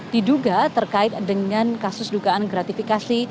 diduga terkait dengan kasus dugaan gratifikasi